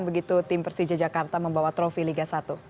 begitu tim persija jakarta membawa trofi liga satu